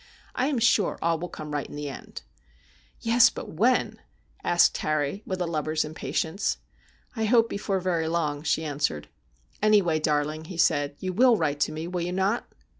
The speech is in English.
I am sure all will come right in the end.' ' Yes ; but when ?' asked Harry with a lover's impatience. ' I hope before very long,' she answered. ' Anyway, darling,' he said, ' you will write to me, will you not